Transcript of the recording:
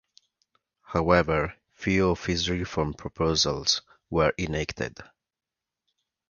However, few of his reform proposals were enacted.